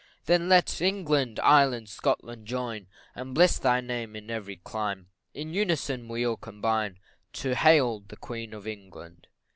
Then let England, Ireland, Scotland, join, And bless thy name in every clime In unison we all combine, To hail the Queen of England.